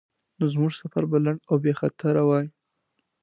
نو زموږ سفر به لنډ او بیخطره وای.